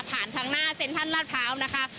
ผ่านทางหน้าเซ็นทันรัดเท้านะคะ